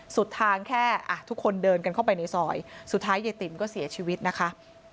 สุดทางแค่ทุกคนเดินกันเข้าไปในซอยสุดท้ายยายติ๋มก็เสียชีวิตนะคะ